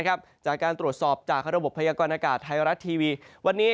จากการตรวจสอบจากระบบพยากรณากาศไทยรัฐทีวีวันนี้